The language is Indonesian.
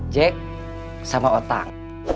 jack sama otang